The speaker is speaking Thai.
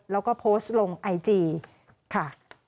แล้วก็โพสต์ลงไอจีค่ะ